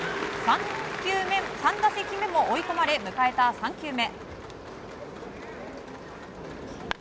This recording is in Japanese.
３打席目も追い込まれ迎えた、３球目。